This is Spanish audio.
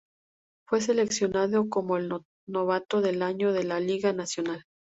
Fue seleccionado como el Novato del Año de la Liga Nacional.